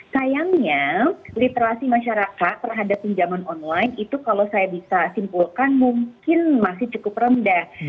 sayangnya literasi masyarakat terhadap pinjaman online itu kalau saya bisa simpulkan mungkin masih cukup rendah